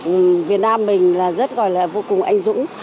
và tự hào là việt nam mình là rất gọi là vô cùng anh dũng